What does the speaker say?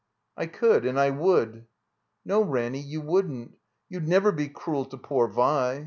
''I could, and I would." "No, Ranny, you wouldn't. You'd never be cruel to poor Vi."